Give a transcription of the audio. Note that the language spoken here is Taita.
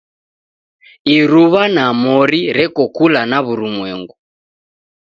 Iruwa na mori reko kula na w'urumwengu